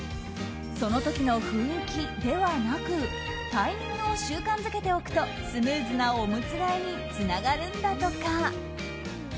その時の雰囲気ではなくタイミングを習慣づけておくとスムーズなおむつ替えにつながるんだとか。